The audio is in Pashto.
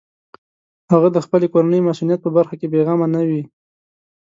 هغه د خپلې کورنۍ مصونیت په برخه کې بېغمه نه وي.